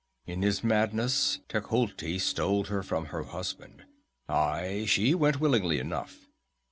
In his madness, Tecuhltli stole her from her husband. Aye, she went willingly enough.